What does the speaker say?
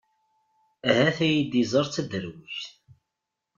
Ahat ad iyi-d-iẓer d taderwict.